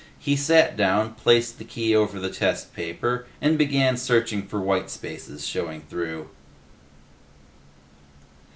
He sat down, placed the key over the test paper, and began searching for white spaces showing through.